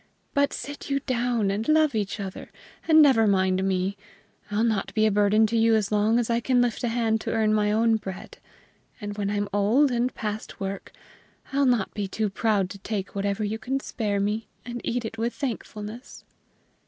But sit you down and love each other, and never mind me; I'll not be a burden to you as long as I can lift a hand to earn my own bread. And when I'm old and past work, I'll not be too proud to take whatever you can spare me, and eat it with thankfulness."